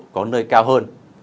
có nơi cao hơn